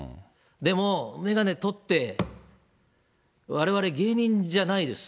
でも、眼鏡取って、われわれ芸人じゃないです。